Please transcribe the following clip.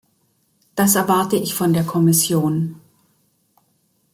Das erwarte ich von der Kommission.